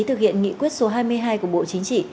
thực hiện nghị quyết số hai mươi hai của bộ chính trị